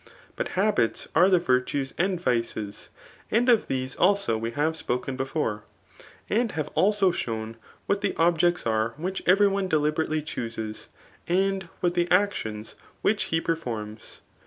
But habits are the virtues and vices ; and of these also we have spoken before, and have also shown what the objects are which every one deliberately choosey and what the actions which he performs.